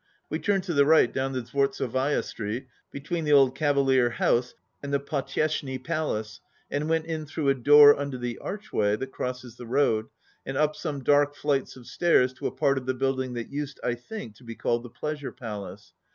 We turned to the right down the Dvortzovaya street, between the old Cavalier House and the Potyeshny Palace, and went in through a door under the archway that crosses the road, and up some dark flights of stairs to a part of the building that used, I think, to be called the Pleasure Palace.